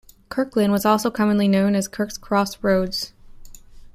Kirklin was also commonly known as Kirk's Cross Roads.